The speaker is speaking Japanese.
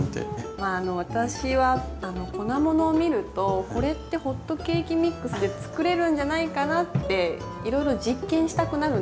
まあ私は粉ものを見るとこれってホットケーキミックスで作れるんじゃないかなっていろいろ実験したくなるんですよ。